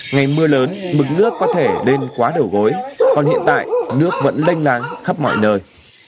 ngày mưa lớn mực nước có thể lên quá đầu gối còn hiện tại nước vẫn lênh láng khắp mọi nơi